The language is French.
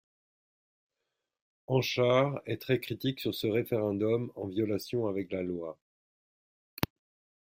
Hanchar est très critique sur ce référendum en violation avec la loi.